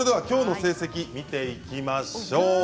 きょうの成績見ていきましょう。